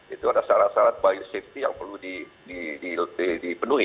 itu ada syarat syarat biosafety yang perlu dipenuhi